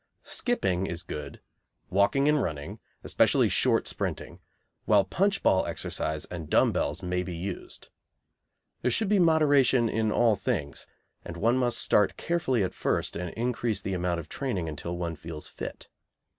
Skipping is good, walking and running, especially short sprinting, while punch ball exercise and dumb bells may be used. There should be moderation in all things, and one must start carefully at first and increase the amount of training until one feels fit.